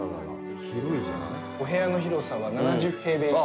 お部屋の広さは７０平米以上。